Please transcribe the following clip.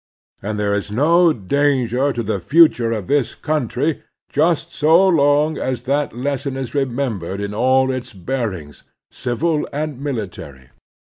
And there is no danger to the future of this country just so long as that lesson is remem bered in all its bearings, civil and military.